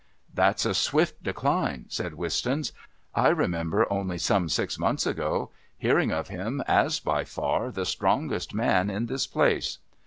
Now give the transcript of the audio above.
"That's a swift decline," said Wistons. "I remember only some six months ago hearing of him as by far the strongest man in this place."